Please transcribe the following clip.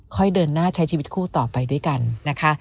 เดินหน้าใช้ชีวิตคู่ต่อไปด้วยกันนะคะ